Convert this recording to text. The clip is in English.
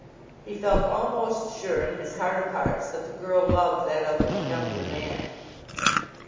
He felt almost sure in his heart of hearts that the girl loved that other, younger man.